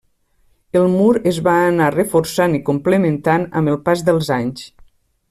El mur es va anar reforçant i complementant amb el pas dels anys.